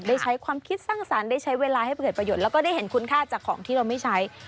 ได้ใช้ความคิดสร้างสรรค์ได้ใช้เวลาให้เกิดประโยชนแล้วก็ได้เห็นคุณค่าจากของที่เราไม่ใช้